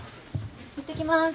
いってきます。